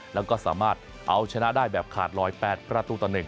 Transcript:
แล้วก็สามารถเอาชนะได้แบบขาดลอย๘ประตูต่อ๑